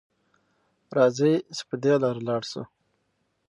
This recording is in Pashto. راځئ چې په دې لاره لاړ شو.